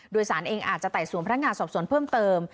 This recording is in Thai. โดยสารเองอาจจะไต่สวนพนักงานสอบสวนเพิ่มเติม